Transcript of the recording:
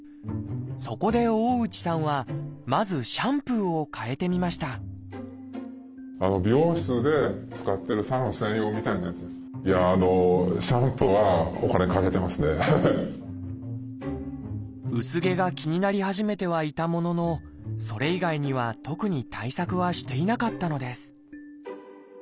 そこで大内さんはまずシャンプーを変えてみました薄毛が気になり始めてはいたもののそれ以外には特に対策はしていなかったのです。